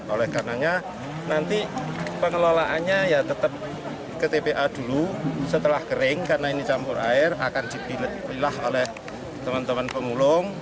oleh karenanya nanti pengelolaannya ya tetap ke tpa dulu setelah kering karena ini campur air akan dipilihlah oleh teman teman pemulung